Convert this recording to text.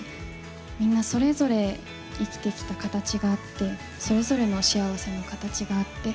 みんなそれぞれ生きてきた形があってそれぞれの幸せの形があって。